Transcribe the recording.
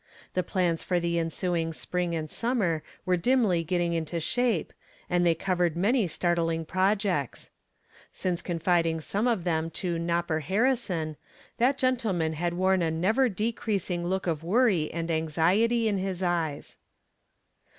The plans for the ensuing spring and summer were dimly getting into shape and they covered many startling projects. Since confiding some of them to "Nopper" Harrison, that gentleman had worn a never decreasing look of worry and anxiety in his eyes.